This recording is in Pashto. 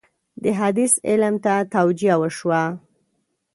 د حدیث علم ته توجه وشوه.